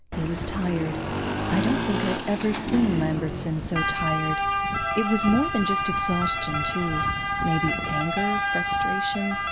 He was tired; I don't think I've ever seen Lambertson so tired. It was more than just exhaustion, too. Maybe anger? Frustration?